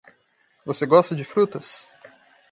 Você gosta de frutas?